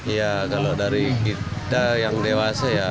ya kalau dari kita yang dewa